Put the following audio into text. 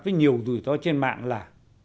với nhiều rủi ro trên mạng là